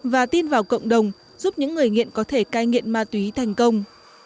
và tin vào cộng đồng giúp những người nghiện có thể cai nghiện ma túy thành công